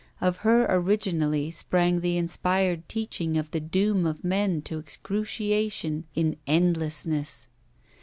Of her originally sprang the inspired teaching of the doom of men to excruciation in endlessness.